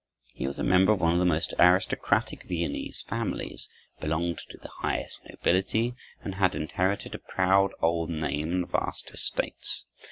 He was a member of one of the most aristocratic Viennese families, belonged to the highest nobility, and had inherited a proud old name and vast estates.